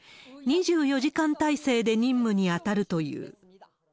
２４時間体制で任務に当たるという。